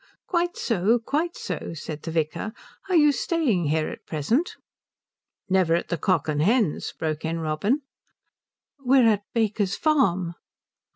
"Quite so, quite so," said the vicar. "Are you staying here at present?" "Never at the Cock and Hens?" broke in Robin. "We're at Baker's Farm."